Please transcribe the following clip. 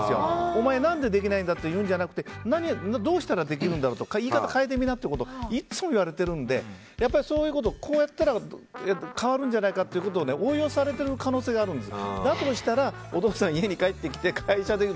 お前何でできないんだって言うんじゃなくてどうしたらできるんだろうとか言い方、変えてみなってことをいつも言われてるのでやっぱりそういうことをこうやったら変わるんじゃないかってことを応用されている可能性があるんです。